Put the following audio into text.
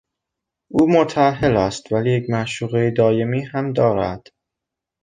او متاهل است ولی یک معشوقهی دایمی هم دارد.